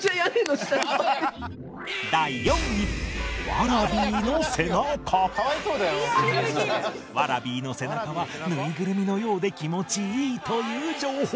ワラビーの背中はぬいぐるみのようで気持ちいいという情報